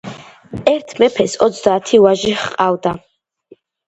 ერთ მეფეს ოცდაათი ვაჟი ჰყავდა.